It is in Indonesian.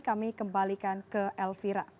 kami kembalikan ke elvira